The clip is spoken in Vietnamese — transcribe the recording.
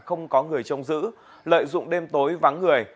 không có người trông giữ lợi dụng đêm tối vắng người